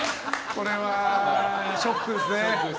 これはショックですね。